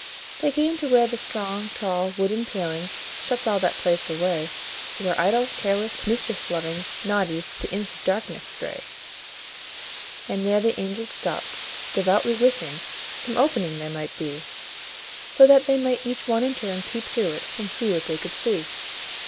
They came to where the strong, tall, wooden paling Shuts all that place away, Where idle, careless, mischief loving, naughty, The Imps of Darkness stray. And there the angels stopped, devoutly wishing Some opening there might be, So that they might each one in turn peep through it, And see what they could see.